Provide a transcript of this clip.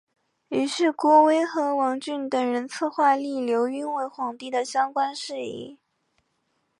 于是郭威和王峻等人策划立刘赟为皇帝的相关事宜。